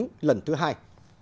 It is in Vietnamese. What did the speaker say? tính lần thứ hai